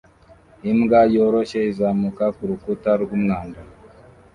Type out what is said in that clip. Imbwa yoroshye izamuka kurukuta rwumwanda